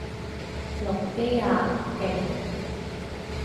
落機啊！勁！